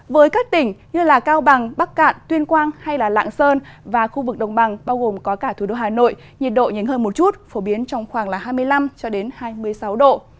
với các tỉnh như cao bằng bắc cạn tuyên quang hay lạng sơn và khu vực đồng bằng bao gồm có cả thủ đô hà nội nhiệt độ nhìn hơn một chút phổ biến trong khoảng hai mươi năm hai mươi sáu độ